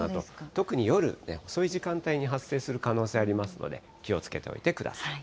特に夜遅い時間帯に発生する可能性ありますので、気をつけておいてください。